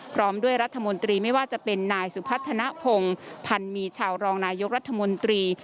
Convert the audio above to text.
พร้อมด้วยรัฐมนตรีไม่ว่าจะเป็นนายสุพัฒนภงพันมีชาวรองนายกรัฐมนตรี